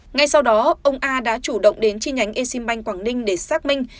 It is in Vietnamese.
ngay sau đó ông a đã chủ động đến chi nhánh eximbank quảng ninh để xác minh